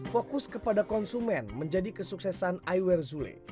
fokus kepada konsumen menjadi kesuksesan iwer zule